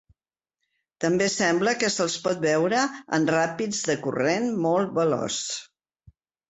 També sembla que se'ls pot veure en ràpids de corrent molt veloç.